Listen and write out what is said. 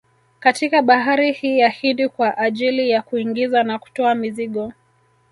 Katika bahari hii ya Hindi kwa ajili ya kuingiza na kutoa mizigo